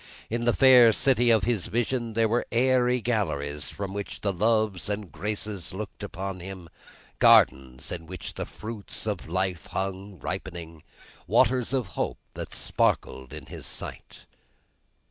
In the fair city of this vision, there were airy galleries from which the loves and graces looked upon him, gardens in which the fruits of life hung ripening, waters of Hope that sparkled in his sight.